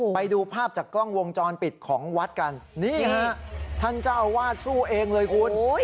ไปดูภาพจากกล้องวงจรปิดของวัดกันนี่ฮะท่านเจ้าอาวาสสู้เองเลยคุณ